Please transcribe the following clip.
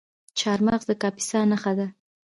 چهارمغز د کاپیسا نښه ده.